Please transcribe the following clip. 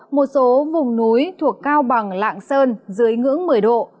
một số vùng núi thuộc cao bằng lạng sơn dưới ngưỡng một mươi độ